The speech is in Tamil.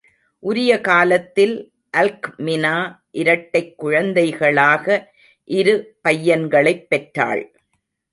உரிய காலத்தில் அல்க்மினா இரட்டைக் குழந்தைகளாக இரு பையன்களைப் பெற்றாள்.